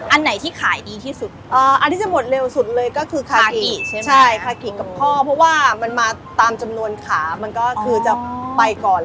อันไหนที่ขายดีที่สุดอันที่จะหมดเร็วสุดเลยก็คือคากิใช่ไหมใช่คากิกับพ่อเพราะว่ามันมาตามจำนวนขามันก็คือจะไปก่อน